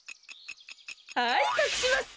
はいかくします。